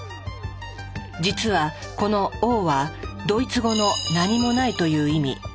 実はこのＯはドイツ語の何もないという意味「Ｏｈｎｅ」の頭文字。